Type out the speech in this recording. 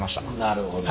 なるほど。